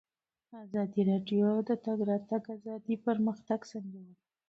ازادي راډیو د د تګ راتګ ازادي پرمختګ سنجولی.